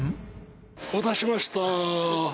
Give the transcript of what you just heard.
お待たせしました。